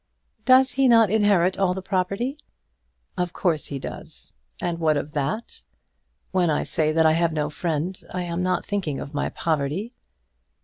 "Does he not inherit all the property?" "Of course he does. And what of that? When I say that I have no friend I am not thinking of my poverty."